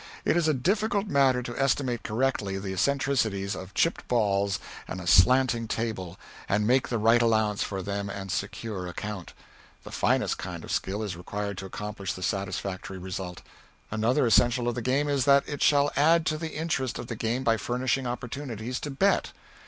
It is a difficult matter to estimate correctly the eccentricities of chipped balls and a slanting table, and make the right allowance for them and secure a count; the finest kind of skill is required to accomplish the satisfactory result. Another essential of the game is that it shall add to the interest of the game by furnishing opportunities to bet.